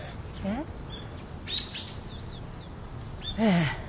えっ？ええ。